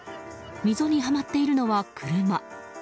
溝にはまっているのは、車。